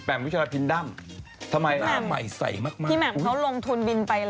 แล้วดิวลองดูว่ากลับมาจะเป็นยังไง